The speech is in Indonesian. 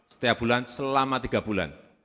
setiap bulan selama tiga bulan